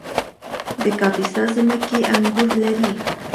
د کاپیسا ځمکې انګور لري